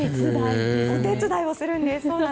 お手伝いをするんです。